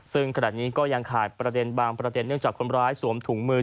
ซึ่งขณะนี้ก็ยังขาดประเด็นบางประเด็นเนื่องจากคนร้ายสวมถุงมือ